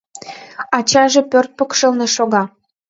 Ачаже пӧрт покшелне шога.